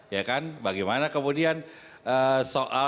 ya kan bagaimana kemudian soal